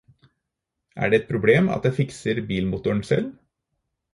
Er det et problem at jeg fikset bilmotoren selv?